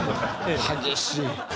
激しい。